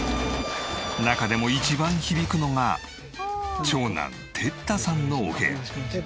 中でも一番響くのが長男哲汰さんのお部屋。